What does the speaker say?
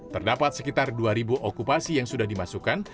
terdapat sekitar dua okupasi yang sudah dimasukkan